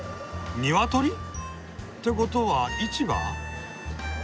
ニワトリ！？ってことは市場？